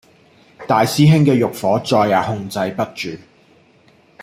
大師兄嘅慾火再也控制不住